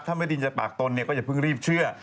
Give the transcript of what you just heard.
ถ้าไม่ดินจากปากตนเนี่ยก็อย่าเพิ่งรีบเชื่อ